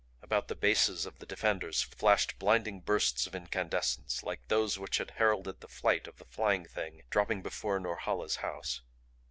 About the bases of the defenders flashed blinding bursts of incandescence like those which had heralded the flight of the Flying Thing dropping before Norhala's house.